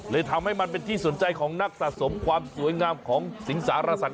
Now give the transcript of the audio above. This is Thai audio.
ทำให้มันเป็นที่สนใจของนักสะสมความสวยงามของสิงสารสัตว